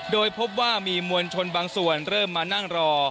โดยพบว่ามีมวลชนบางส่วนเริ่มมานั่งรอ